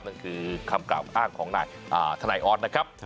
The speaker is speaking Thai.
นั่นคือคำกลับอ้านของทนายออสนะครับ